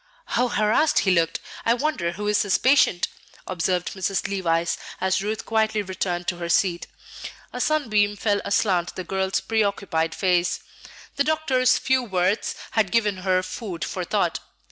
"How harassed he looked! I wonder who is his patient!" observed Mrs. Levice, as Ruth quietly returned to her seat. A sunbeam fell aslant the girl's preoccupied face. The doctor's few words had given her food for thought.